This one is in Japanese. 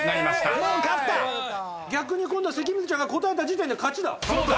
逆に今度は関水ちゃんが答えた時点で勝ちだ。